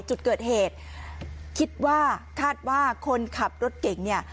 จุดเกิดเหตุคิดว่าคาดว่าคนขับรถเก่งเนี่ย